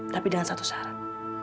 tapi dengan satu syarat